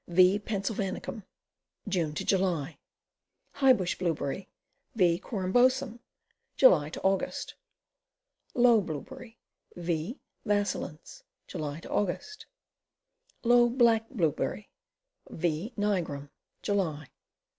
V. Pennsylvanicum. June July. High Bush Blueberry. V. corymbosum. July Aug. Low Blueberry. V. vacillans. July Aug. Low Black Blueberry. V. nigrum. July.